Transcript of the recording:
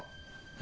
え？